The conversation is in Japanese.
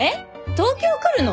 東京来るの？